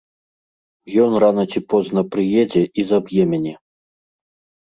Ён рана ці позна прыедзе і заб'е мяне.